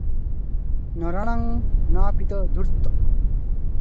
'ନରାଣାଂ ନାପିତୋ ଧୂର୍ତ୍ତଃ' ।